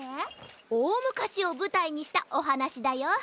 おおむかしをぶたいにしたおはなしだよ。